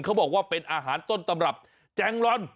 เขาบอกว่าเป็นอาหารต้นตำรับแจงลอน